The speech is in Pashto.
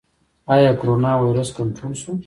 آیا کرونا ویروس کنټرول شو؟